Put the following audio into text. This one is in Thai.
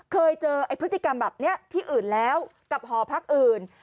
เคยเจอไอ้พฤติกรรมแบบนี้ที่อื่นแล้วกับหอพักอื่น